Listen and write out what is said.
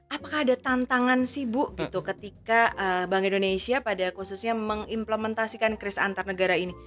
apakah ada tantangan sih bu ketika bank indonesia pada khususnya mengimplementasikan kris antar negara ini